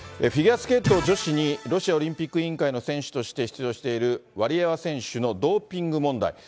フィギュアスケート女子に、ロシアオリンピック委員会の選手として出場しているワリエワ選手のドーピング問題。